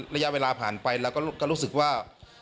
ระยะเวลาผ่านไปเราก็รู้สึกว่า